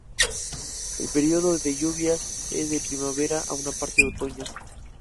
El periodo de lluvias es de primavera a una parte del otoño.